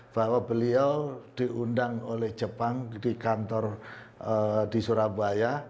bahwa beliau diundang oleh jepang di kantor di surabaya